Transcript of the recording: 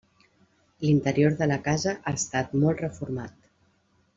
L'interior de la casa ha estat molt reformat.